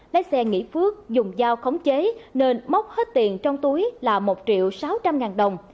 lái xe nghị phước dùng dao khống chế nên móc hết tiền trong túi là một triệu sáu trăm linh ngàn đồng